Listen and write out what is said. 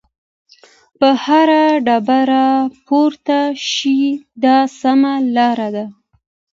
په هره ډبره پورته شئ دا سمه لار ده.